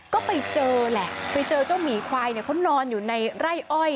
ก็ไปเจอแหละไปเจอเจ้าหมีควายเนี่ยเขานอนอยู่ในไร่อ้อย